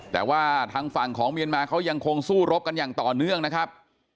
แต่ว่าทางฝั่งของเมียนมาเขายังคงสู้รบกันอย่างต่อเนื่องนะครับ